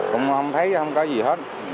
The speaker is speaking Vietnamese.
cũng không thấy không có gì hết